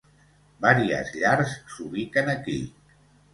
Varies llars s'ubiquen aquí.